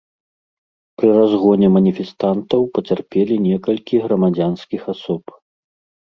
Пры разгоне маніфестантаў пацярпелі некалькі грамадзянскіх асоб.